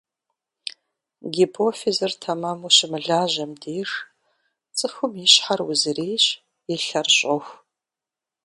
Гипофизыр тэмэму щымылажьэм деж цӀыхум и щхьэр узырейщ, и лъэр щӀоху.